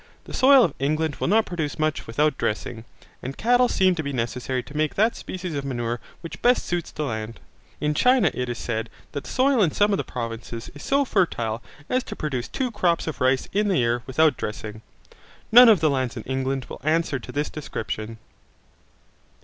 The soil of England will not produce much without dressing, and cattle seem to be necessary to make that species of manure which best suits the land. In China it is said that the soil in some of the provinces is so fertile as to produce two crops of rice in the year without dressing. None of the lands in England will answer to this description.